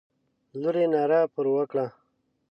لور یې ناره پر وکړه.